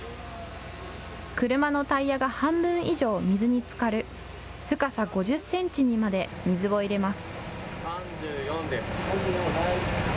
車のタイヤが半分以上、水につかる深さ５０センチにまで水を入れます。